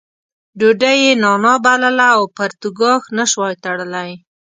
ډوډۍ یې نانا بلله او پرتوګاښ نه شوای تړلی.